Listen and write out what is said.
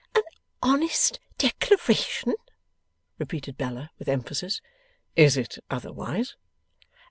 'An honest declaration!' repeated Bella, with emphasis. 'Is it otherwise?